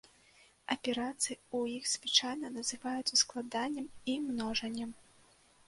Аперацыі ў іх звычайна называюцца складаннем і множаннем.